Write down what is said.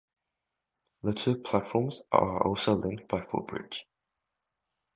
The two platforms are also linked by footbridge.